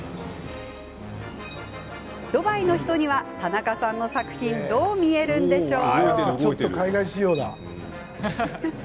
ドバイの人には田中さんの作品どう見えるんでしょう？